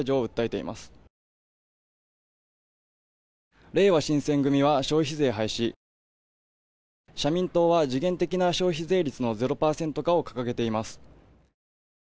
れいわ新選組は消費税廃止社民党は時限的な消費税率の０％化を掲げています。